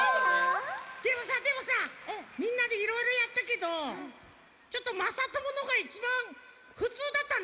でもさでもさみんなでいろいろやったけどちょっとまさとものがいちばんふつうだったね。